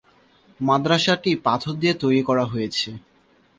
মাদ্রাসাটি পাথর দ্বারা তৈরি করা হয়েছে।